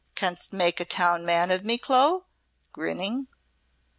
Canst make a town man of me, Clo?" grinning.